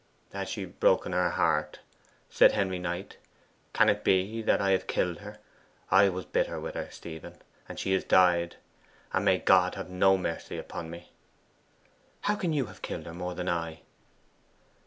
'Has she broken her heart?' said Henry Knight. 'Can it be that I have killed her? I was bitter with her, Stephen, and she has died! And may God have NO mercy upon me!' 'How can you have killed her more than I?